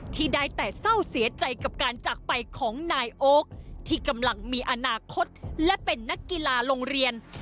ที่ได้แต่เศร้าเสียใจกับการจากไปของนายโอ๊คที่กำลังมีอนาคตและเป็นนักกีฬาโรงเรียน